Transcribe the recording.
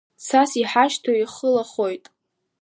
Цас иҳашьҭоу, ихы лахоит.